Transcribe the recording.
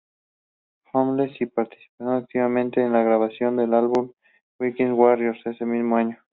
Holmes y participando activamente en la grabación del álbum "Weekend Warriors" ese mismo año.